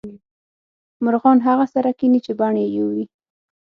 مرغان هغه سره کینې چې بڼې یو وې